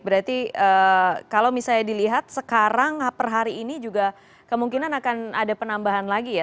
berarti kalau misalnya dilihat sekarang per hari ini juga kemungkinan akan ada penambahan lagi ya